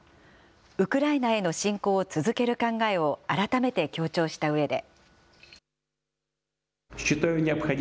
ウクライナへの侵攻を続ける考えを改めて強調したうえで。